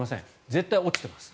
絶対落ちてます。